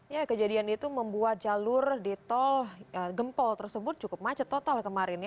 ya kejadian itu membuat jalur di tol gempol tersebut cukup macet total kemarin ya